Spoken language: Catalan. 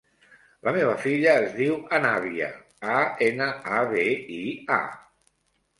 La meva filla es diu Anabia: a, ena, a, be, i, a.